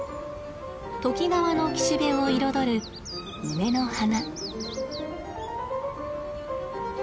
都幾川の岸辺を彩る梅の花。